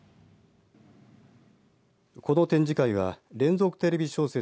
この展示会は連続テレビ小説